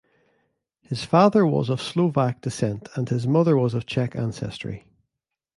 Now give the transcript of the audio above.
His father was of Slovak descent and his mother was of Czech ancestry.